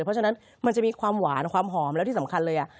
เพราะฉะนั้นมันจะมีความหวานความหอมแล้วที่สำคัญเลย